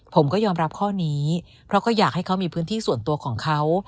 ผมก็ยอมรับข้อนี้เพราะก็อยากให้เขามีพื้นที่ส่วนตัวของเขา